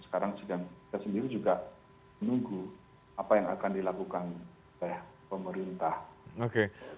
sekarang kita sendiri juga menunggu apa yang akan dilakukan oleh pemerintah ron sembilan puluh dua